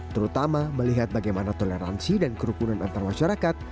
terutama melihat bagaimana toleransi dan kerukunan antar masyarakat